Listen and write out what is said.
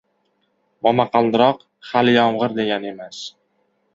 • Momaqaldiroq hali yomg‘ir degani emas.